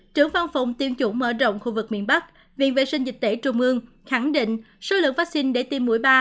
trưởng văn phòng tiêm chủng mở rộng khu vực miền bắc viện vệ sinh dịch tễ trung ương khẳng định số lượng vaccine để tiêm mũi ba